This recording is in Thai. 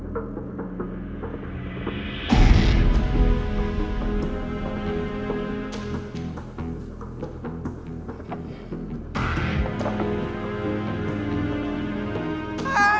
ไปไอ้มายอยู่ออกชีวิตให้ไว้